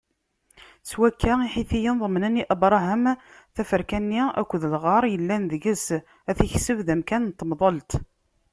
S wakka, Iḥitiyen ḍemnen i Abṛaham taferka-nni akked lɣar yellan deg-s, ad t-ikseb d amkan n temḍelt.